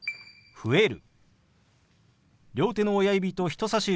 「増える」。